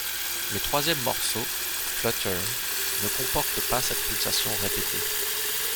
Le troisième morceau, Flutter, ne comporte pas cette pulsation répétée.